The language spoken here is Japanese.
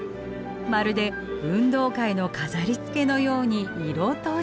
まるで運動会の飾りつけのように色とりどり。